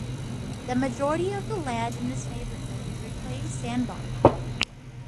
The majority of the land in this neighborhood is reclaimed sandbar.